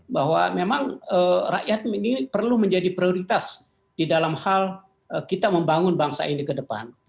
bahwa memang rakyat ini perlu menjadi prioritas di dalam hal kita membangun bangsa ini ke depan